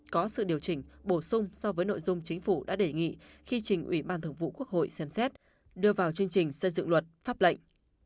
có sự điều chỉnh bổ sung so với nội dung chính phủ đã đề nghị khi trình ủy ban thường vụ quốc hội xem xét đưa vào chương trình xây dựng luật pháp lệnh